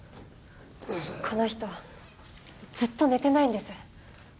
この人ずっと寝てないんです。